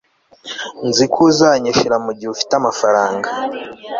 Nzi ko uzanyishura mugihe ufite amafaranga